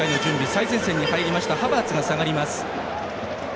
最前線に入りましたハバーツが下がります。